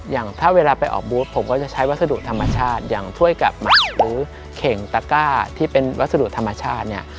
อย่างถ้าเวลาไปออกบูธผมก็จะใช้วัสดุธรรมชาติอย่างถ้วยกาบหมากหรือเข่งตะก้าที่เป็นวัสดุธรรมชาติเนี่ย